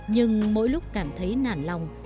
nhưng mỗi lúc cảm thấy nản lòng